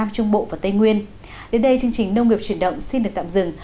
đến đây chương trình nông nghiệp chuyển động xin được tạm dừng